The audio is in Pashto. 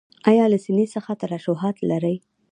ایا له سینې څخه ترشحات لرئ؟